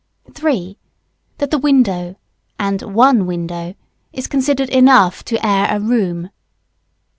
3. That the window, and one window, is considered enough to air a room.